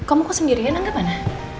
kamu kok sendirian anggap mana